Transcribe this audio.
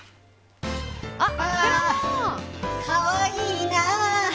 かわいいな。